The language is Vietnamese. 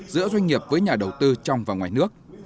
giữa doanh nghiệp với nhà đầu tư trong và ngoài nước